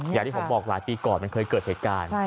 อย่างที่ผมบอกหลายปีก่อนมันเคยเกิดเหตุการณ์